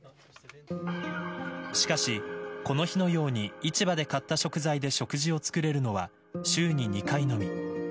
しかし、この日のように市場で買った食材で食事を作れるのは週に２回のみ。